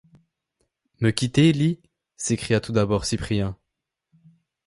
Me quitter, Lî? s’écria tout d’abord Cyprien.